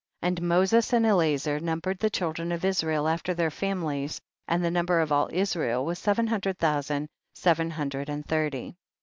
3. And Moses and Elazer num bered the children of Israel after their families, and the number of all Israel was seven hundred thousand, seven hundred and thirty.